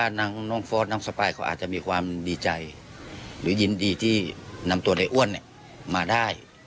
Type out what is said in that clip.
อาจจะมีความดีใจหรือยินดีที่นำตัวใดอ้วนมาได้